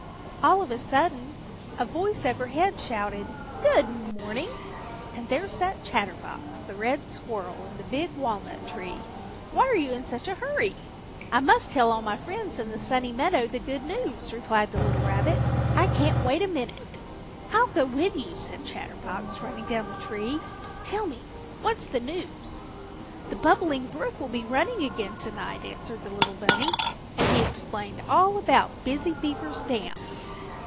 All of a sudden a voice overhead shouted, "Good morning!" and there sat Chatterbox, the Red Squirrel, in the Big Walnut Tree. "Why are you in such a hurry?" "I must tell all my friends in the Sunny Meadow the good news," replied the little rabbit. "I can't wait a minute." "I'll go with you," said Chatterbox, running down the tree. "Tell me, what's the news?" "The Bubbling Brook will be running again tonight," answered the little bunny, and he explained all about Busy Beaver's dam.